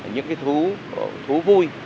những cái thú vui